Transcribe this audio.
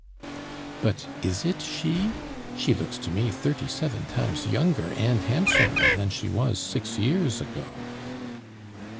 "But is it she? She looks to me thirty seven times younger and handsomer than she was six years ago."